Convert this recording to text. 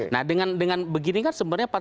nah dengan begini kan sebenarnya